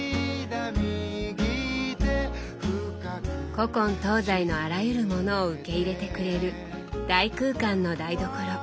古今東西のあらゆるものを受け入れてくれる大空間の台所。